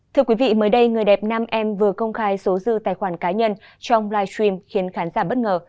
thưa quý vị mới đây người đẹp nam em vừa công khai số dư tài khoản cá nhân trong live stream khiến khán giả bất ngờ